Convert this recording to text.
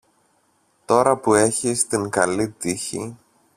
τώρα που έχεις την καλή τύχη